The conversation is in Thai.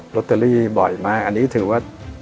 ลอตเตอรี่บ่อยมากอันนี้ถือว่า